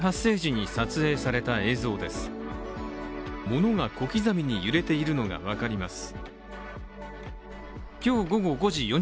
物が小刻みに揺れているのが分かります。